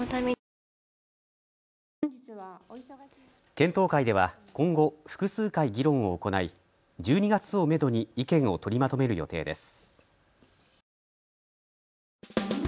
検討会では今後、複数回議論を行い、１２月をめどに意見を取りまとめる予定です。